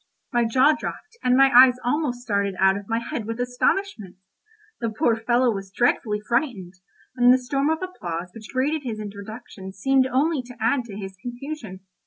My jaw dropped, and my eyes almost started out of my head with astonishment. The poor fellow was dreadfully frightened, and the storm of applause which greeted his introduction seemed only to add to his confusion.